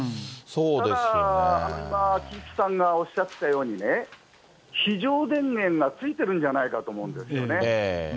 だから今岸さんがおっしゃったように、非常電源がついてるんじゃないかと思うんですよね。